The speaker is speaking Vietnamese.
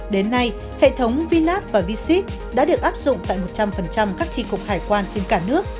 đến nay hệ thống vnat và v sit đã được áp dụng tại một trăm linh các trị cục hải quan trên cả nước